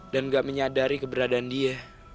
dan gak menyadari keberadaan dia